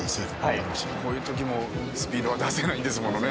こういう時もスピードが出せないんですものね。